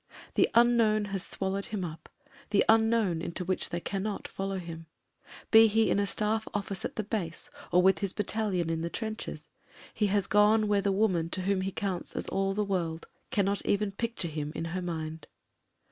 The unknown has swallowed him up — ^the unknown into which they cannot follow him. Be he in a Staff office at the base or with his battalion in the trenches, he has. gone where the woman to whom he counts as all the world cannot even picture him in her mind.